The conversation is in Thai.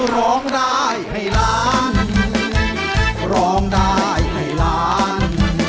ร้องได้ให้ล้าน